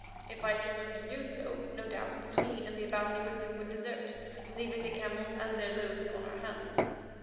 If I attempted to do so, no doubt he and the Abati with him would desert, leaving the camels and their loads upon our hands.